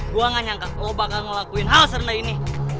gue gak nyangka lo bakal ngelakuin hal senay ini